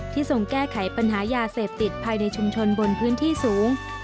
ทรงแก้ไขปัญหายาเสพติดภายในชุมชนบนพื้นที่สูง